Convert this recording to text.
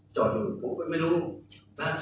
จอดอยู่โหไม่รู้นะ